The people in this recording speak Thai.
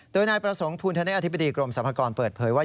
โดยนายประสงค์ภูนิอธิบดีกรมสัมภกรณ์เปิดเผยว่า